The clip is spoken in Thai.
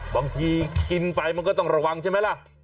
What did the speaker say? บางทีกินไปมันก็ต้องระวังใช่ไหมล่ะ